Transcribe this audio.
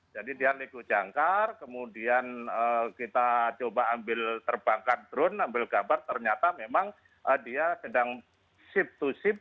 jadi dia liku jangkar kemudian kita coba ambil terbangkan drone ambil gambar ternyata memang dia sedang ship to ship